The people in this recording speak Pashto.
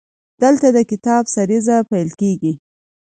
دلته د کتاب سریزه پیل کیږي.